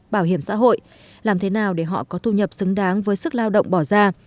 bảo hiểm xã hội làm thế nào để họ có thu nhập xứng đáng với sức lao động bỏ ra